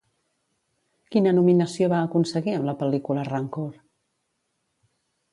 Quina nominació va aconseguir amb la pel·lícula Rancor?